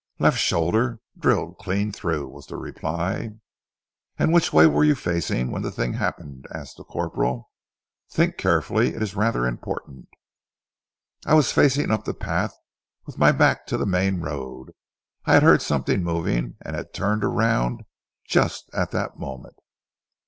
"Left shoulder! Drilled clean through," was the reply. "And which way were you facing when the thing happened?" asked the corporal. "Think carefully. It is rather important." "I was facing up the path, with my back to the main road. I had heard something moving and had turned round, just at the moment."